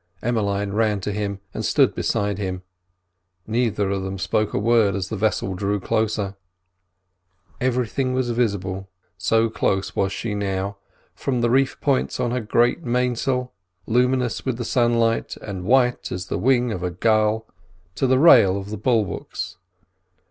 Emmeline ran to him and stood beside him; neither of them spoke a word as the vessel drew closer. Everything was visible, so close was she now, from the reef points on the great mainsail, luminous with the sunlight, and white as the wing of a gull, to the rail of the bulwarks.